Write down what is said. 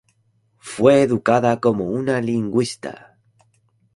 Fue educada como una lingüista.